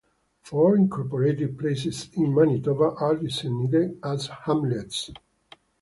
Four unincorporated places in Manitoba are designated as hamlets.